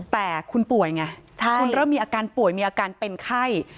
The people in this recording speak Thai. แต่คุณป่วยไงคุณเริ่มมีอาการป่วยมีอาการเป็นไข้